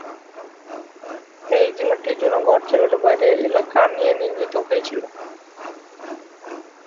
এই জেলাটি জুনাগড় জেলার বাইরে এলাকা নিয়ে নির্মিত হয়েছিল।